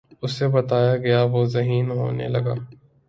اُسے بتایا گیا وُہ ذہین ہونے لگا